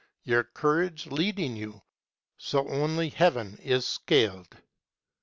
your courage leading you, So only Heaven is scaled."